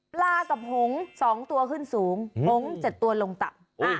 ปลากับหงศรสองตัวขึ้นสูงหงศรเจ็ดตัวลงต่ำ